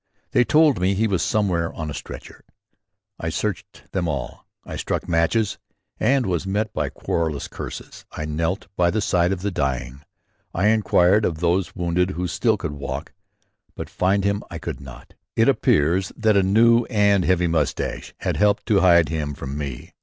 They told me he was somewhere on a stretcher. I searched them all. I struck matches and was met by querulous curses; I knelt by the side of the dying; I inquired of those wounded who still could walk, but find him I could not. It appears that a new and heavy moustache had helped to hide him from me.